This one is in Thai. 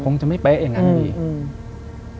คงจะไม่ไปอย่างนั้นดี